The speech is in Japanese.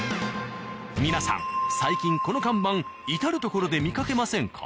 皆さん最近この看板至る所で見かけませんか？